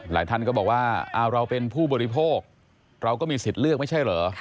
ท่านก็บอกว่าเราเป็นผู้บริโภคเราก็มีสิทธิ์เลือกไม่ใช่เหรอ